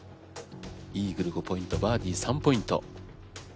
イーグル５ポイントバーディ３ポイント。